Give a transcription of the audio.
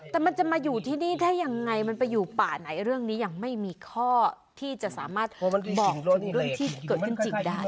แต่มันจะมาอยู่ที่นี่ได้ยังไงมันไปอยู่ป่าไหนเรื่องนี้ยังไม่มีข้อที่จะสามารถโทรมาบอกโดนเรื่องที่เกิดขึ้นจริงได้